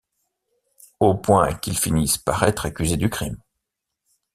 Au point qu'ils finissent par être accusés du crime.